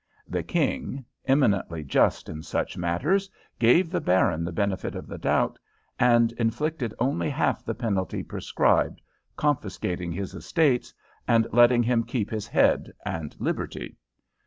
The king, eminently just in such matters, gave the baron the benefit of the doubt, and inflicted only half the penalty prescribed, confiscating his estates, and letting him keep his head and liberty.